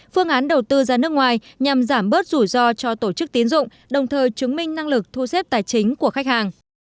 phương án đầu tư ra nước ngoài nhằm giảm bớt rủi ro cho tổ chức tiến dụng đồng thời chứng minh năng lực thu xếp tài chính của khách hàng